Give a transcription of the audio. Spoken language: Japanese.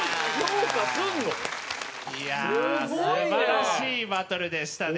いやあすばらしいバトルでしたね。